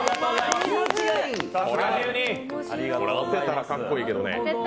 これ、当てたらかっこいいけどね。